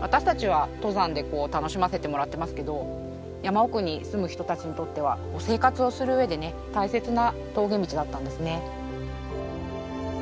私たちは登山でこう楽しませてもらってますけど山奥に住む人たちにとっては生活をする上で大切な峠道だったんですね。